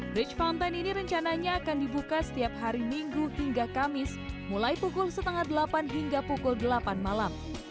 bridge fountain ini rencananya akan dibuka setiap hari minggu hingga kamis mulai pukul setengah delapan hingga pukul delapan malam